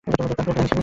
Pant খুলে ফেলেছি।